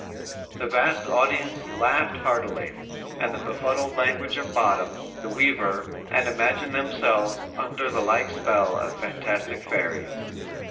"_ The vast audience laughed heartily at the befuddled language of Bottom, the weaver, and imagined themselves under the like spell of fantastic fairies.